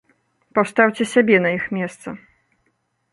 Пастаўце сябе на іх месца.